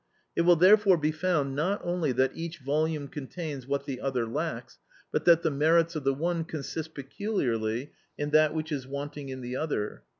It will therefore be found, not only that each volume contains what the other lacks, but that the merits of the one consist peculiarly in that which is wanting in the other.